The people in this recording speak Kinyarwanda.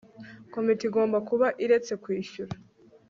komite igomba kuba iretse kwishyura